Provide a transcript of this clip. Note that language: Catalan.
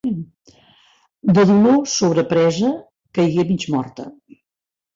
De dolor sobrepresa, caigué mig morta.